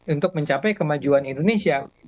untuk mencapai kemajuan indonesia